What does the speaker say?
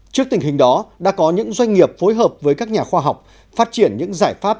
trước tình hình đó đã có những doanh nghiệp phối hợp với các nhà khoa học phát triển những giải pháp